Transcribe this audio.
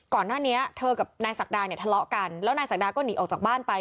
ก่อนหน้านี้เธอกับนายศักดาเนี่ยทะเลาะกันแล้วนายศักดาก็หนีออกจากบ้านไป